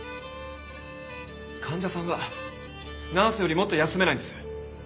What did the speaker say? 患者さんはナースよりもっと休めないんです。